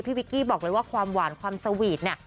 วิกกี้บอกเลยว่าความหวานความสวีทเนี่ย